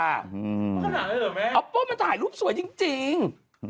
มันขนาดนั้นหรอแม่อัปโปร์มันถ่ายรูปสวยจริง